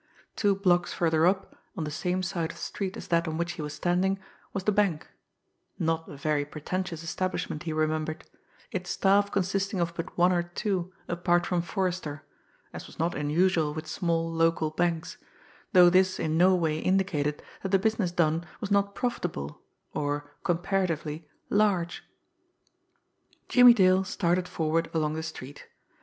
Two blocks further up, on the same side of the street as that on which he was standing, was the bank not a very pretentious establishment, he remembered; its staff consisting of but one or two apart from Forrester, as was not unusual with small local banks, though this in no way indicated that the business done was not profitable, or, comparatively, large. Jimmie Dale started forward along the street.